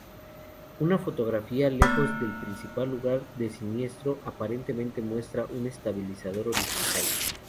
Una fotografía lejos del principal lugar de siniestro aparentemente muestra un estabilizador horizontal.